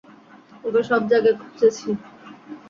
ওকে সব জায়গায় খুঁজেছি!